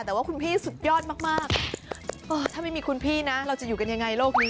แต่ว่าคุณพี่สุดยอดมากถ้าไม่มีคุณพี่นะเราจะอยู่กันยังไงโลกนี้